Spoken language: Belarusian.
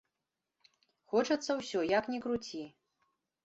Хочацца ўсё, як ні круці.